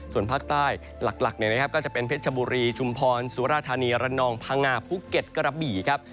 ส่วนภาคใต้หลักเนี่ยนะครับก็จะเป็นเพชรชบุรีชุมพรสุราธานีระนองพังงาภูเก็ตกระบี่ครับ